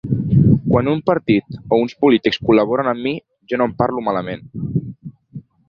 Quan un partit o uns polítics col·laboren amb mi, jo no en parlo malament.